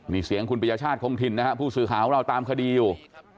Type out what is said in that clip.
นี่เสียงคุณปริญญาชาติคงถิ่นนะฮะผู้สื่อข่าวของเราตามคดีอยู่